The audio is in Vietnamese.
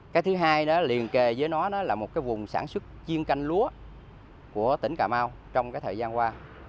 cái thứ hai nó liền kề với nó là một cái vùng sản xuất chiên canh lúa của tỉnh cà mau trong cái thời gian qua